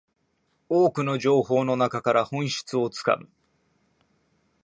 多くの情報の中から本質をつかむ